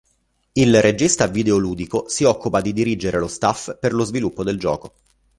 Il regista videoludico si occupa di dirigere lo staff per lo sviluppo del gioco.